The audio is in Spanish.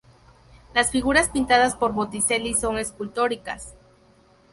Las figuras pintadas por Botticelli son escultóricas.